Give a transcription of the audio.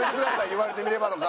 「言われてみれば」とか。